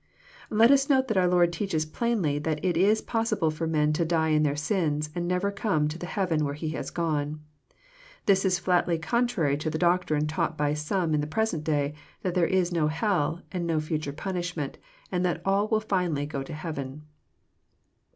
Let us note that our Lord teaches plainly that it is possible for men to ''die in their sins," and never come to the heaven where He has gone. This is fiatly contrary to the doctrine taught by some in the present day, that there is no heU and no Aiture punishment, and that all will finally go to heaven.